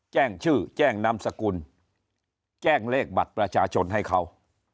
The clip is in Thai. แจ้งชื่อแจ้งนามสกุลแจ้งเลขบัตรประชาชนให้เขา